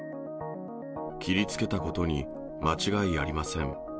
切りつけたことに間違いありません。